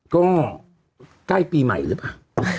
ก็ใกล้ปีใหม่หรือเปล่า